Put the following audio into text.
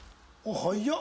早っ！